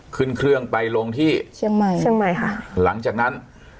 ขึ้นเครื่องไปลงที่เชียงใหม่เชียงใหม่ค่ะหลังจากนั้น